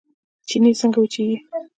چينې څنګه وچیږي؟